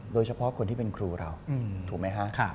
โดยเฉพาะคนที่เป็นครูเราถูกไหมคะ